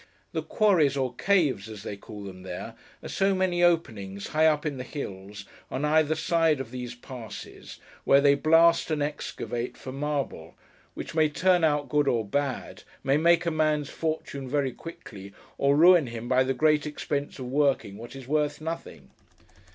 The quarries, 'or caves,' as they call them there, are so many openings, high up in the hills, on either side of these passes, where they blast and excavate for marble: which may turn out good or bad: may make a man's fortune very quickly, or ruin him by the great expense of working what is worth nothing.